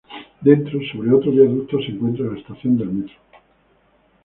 Dentro, sobre otro viaducto se encuentra la estación de metro.